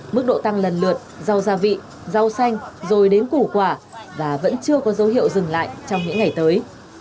mức độ tăng lần lượt rau gia vị rau xanh rồi đến củ quả và vẫn chưa có dấu hiệu dừng lại trong những ngày tới